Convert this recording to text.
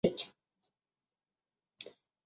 皮库伊是巴西帕拉伊巴州的一个市镇。